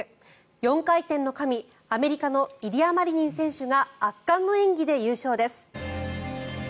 ４回転の神、アメリカのイリア・マリニン選手が圧巻の演技で優勝です。